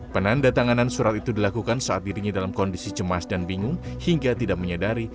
penanda tanganan surat itu dilakukan saat dirinya dalam kondisi cemas dan bingung hingga tidak menyadari